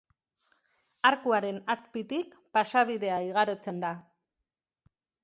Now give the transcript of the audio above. Arkuaren azpitik pasabidea igarotzen da.